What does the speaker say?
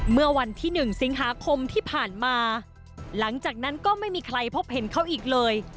เมื่อวันที่๑สิงหาคมที่ผ่านมาหลังจากนั้นก็ไม่มีใครพบเห็นเขาอีกเลย